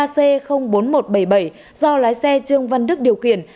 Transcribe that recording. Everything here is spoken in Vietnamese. một mươi ba c bốn nghìn một trăm bảy mươi bảy do lái xe trương văn đức điều khiển